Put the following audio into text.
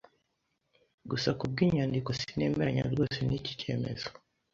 Gusa kubwinyandiko, sinemeranya rwose niki cyemezo.